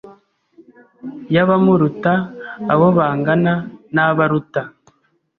y’abamuruta, abo bangana n’abo aruta.